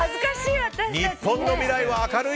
日本の未来は明るい！